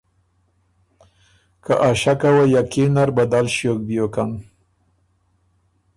که ا ݭکه وه یقین نر بدل ݭیوک بیوکن۔